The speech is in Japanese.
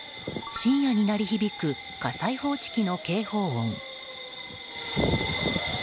深夜に鳴り響く火災報知機の警報音。